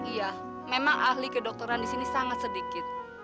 iya memang ahli kedokteran di sini sangat sedikit